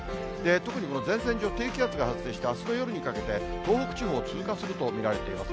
特に前線上、低気圧が発生してあすの夜にかけて東北地方を通過すると見られています。